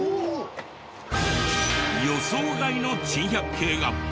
予想外の珍百景が！